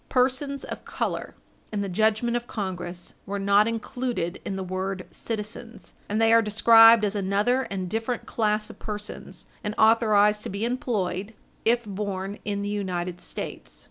Persons of color, in the judgment of Congress, were not included in the word citizens, and they are described as another and different class of persons, and authorized to be employed, if born in the United States.